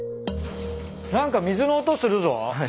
何か水の音するぞ。